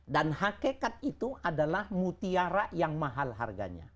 dan hakekat itu adalah mutiara yang mahal harganya